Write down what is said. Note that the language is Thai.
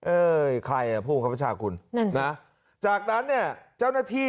เอ้ยใครผู้บังคับบัญชาคุณนะจากนั้นเนี่ยเจ้าหน้าที่